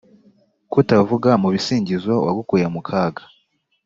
“kutavuga mu bisingizo uwagukuye mu kaga